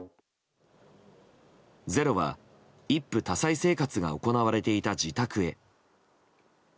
「ｚｅｒｏ」は一夫多妻生活が行われていた自宅へ。